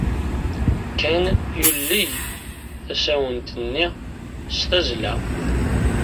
Ken yuley tasawent-nni s tazzla.